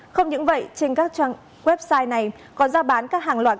không những vậy trên các website này có giao bán các sản ngoại hối